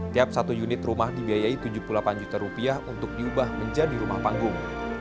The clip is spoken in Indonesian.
tiap satu unit rumah dibiayai tujuh puluh delapan juta rupiah untuk diubah menjadi rumah panggung